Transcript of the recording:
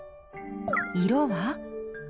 色は？